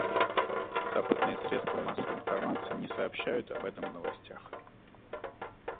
Западные средства массовой информации не сообщают об этом в новостях.